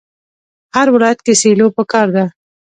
په هر ولایت کې سیلو پکار ده.